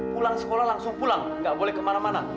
pulang sekolah langsung pulang gak boleh kemana mana